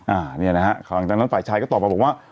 อ่าเนี่ยนะฮะหลังจากนั้นฝ่ายชายก็ตอบมาบอกว่า